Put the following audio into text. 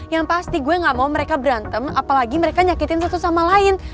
yang pasti gue gak mau mereka berantem apalagi mereka nyakitin satu sama lain